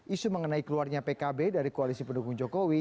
isu mengenai keluarnya pkb dari koalisi pendukung jokowi